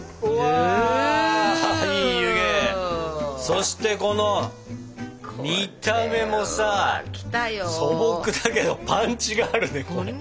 そしてこの見た目もさ素朴だけどパンチがあるねこれ。